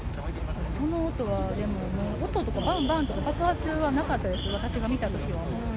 その音は、でも、音とか、ばんばんとか、爆発はなかったです、私が見たときは。